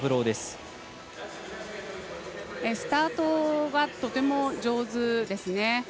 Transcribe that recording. スタートがとても上手ですね。